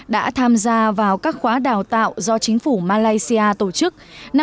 đã tham gia vào các khóa đào tạo do chính phủ malaysia tổ chức